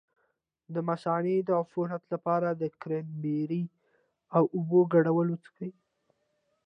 د مثانې د عفونت لپاره د کرینبیري او اوبو ګډول وڅښئ